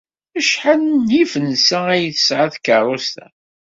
Acḥal n yifensa ay tesɛa tkeṛṛust-a?